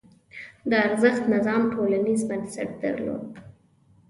د ارزښت نظام ټولنیز بنسټ درلود.